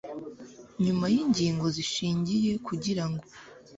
nyuma yingingo zishingiye kugirango